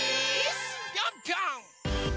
ぴょんぴょん！